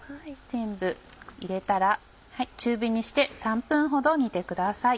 全部入れたら中火にして３分ほど煮てください。